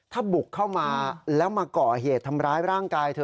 ถ้าบุกเข้ามาแล้วมาก่อเหตุทำร้ายร่างกายเธอ